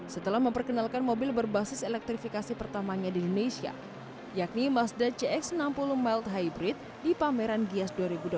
setelah memperkenalkan mobil berbasis elektrifikasi pertamanya di indonesia yakni mazda cx enam puluh mild hybrid di pameran gias dua ribu dua puluh tiga